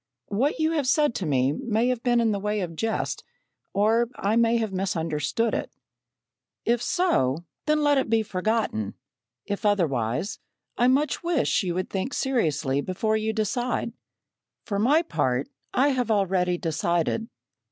What you have said to me may have been in the way of jest, or I may have misunderstood it. "If so, then let it be forgotten; if otherwise I much wish you would think seriously before you decide. For my part, I have already decided.